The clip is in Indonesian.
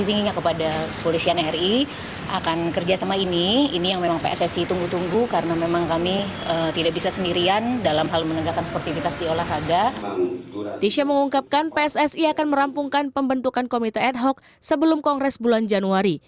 saya mengungkapkan pssi akan merampungkan pembentukan komite ad hoc sebelum kongres bulan januari